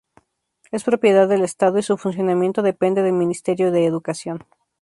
Es propiedad del estado y su funcionamiento, depende del Ministerio de Educación.